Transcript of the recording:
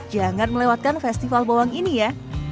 jangan melewatkan festival bawang ini ya